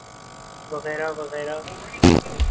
وغیرہ وغیرہ۔